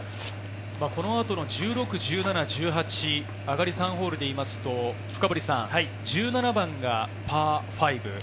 このあと１６、１７、１８、上がり３ホールでいいますと、１７番がパー５。